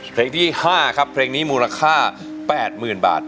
เพลงที่๕ครับเพลงนี้มูลค่า๘๐๐๐บาท